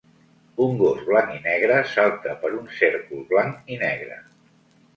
Un gos blanc i negre salta per un cèrcol blanc i negre.